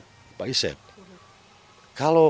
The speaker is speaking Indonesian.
kalau kami tidak bisa